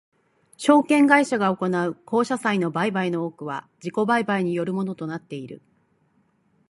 証券会社が行う公社債の売買の多くは自己売買によるものとなっている。